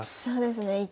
そうですね